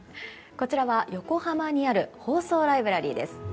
こちらは横浜にある放送ライブラリーです。